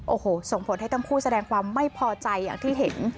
โอ้โหส่งผลให้ทั้งคู่แสดงความไม่พอใจอย่างที่เห็น